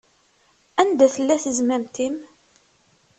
Anda tella tezmamt-im?